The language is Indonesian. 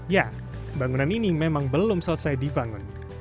ya bangunan ini memang belum selesai dibangun